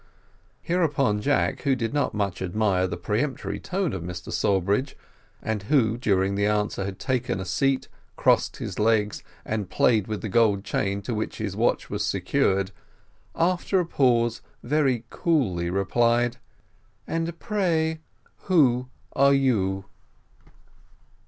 Hereupon Jack, who did not much admire the peremptory tone of Mr Sawbridge, and who during the answer had taken a seat, crossed his legs and played with the gold chain to which his watch was secured, after a pause very coolly replied: "And pray, who are you?"